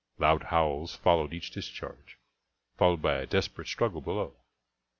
Loud howls followed each discharge, followed by a desperate struggle below.